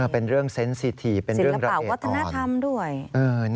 เป็นเรื่องระหว่างประเทศศิลปะก็ท่าน่าทำด้วยเป็นเรื่องละเอียดอ่อน